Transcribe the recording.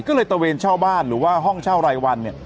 ก็เลยตะเวนเช่าบ้านหรือว่าห้องเช่ารายวันเนี่ย